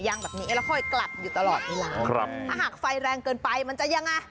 ยั่งแบบนี้แล้วค่อยกลับอยู่ตลอดถ้าหากไฟแรงเกินไปมันจะยังไง